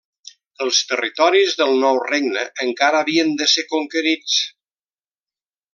Els territoris del nou regne encara havien de ser conquerits.